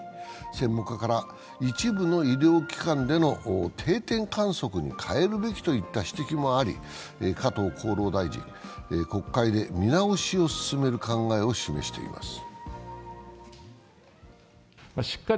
専門家から、一部の医療機関での定点観測に変えるべきといった指摘もあり加藤厚労大臣、国会で見直しを進める考えを示しています。